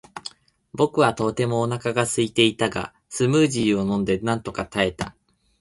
僕はとてもお腹がすいていたが、スムージーを飲んでなんとか耐えた。